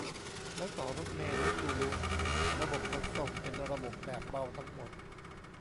แล้วต่อรถเมล์ ที่ตูลูสระบบขนส่งเป็นระบบแบบเบาทั้งหมด